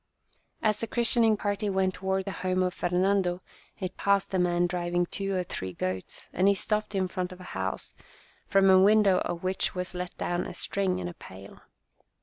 As the christening party went toward the home of Fernando, it passed a man driving two or three goats, and he stopped in front of a house, from a window of which was let down a string and a pail.